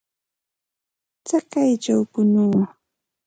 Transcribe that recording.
Chakayćhaw punuu.